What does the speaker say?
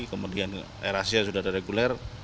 kemudian erasi sudah reguler